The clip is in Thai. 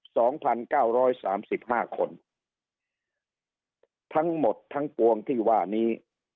สองพันเก้าร้อยสามสิบห้าคนทั้งหมดทั้งปวงที่ว่านี้